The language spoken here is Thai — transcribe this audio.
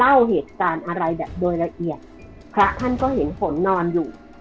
เล่าเหตุการณ์อะไรแบบโดยละเอียดพระท่านก็เห็นฝนนอนอยู่